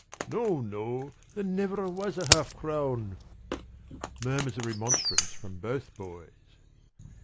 p> "No, no, there never was a half crown." Murmurs of remonstrance from both boys.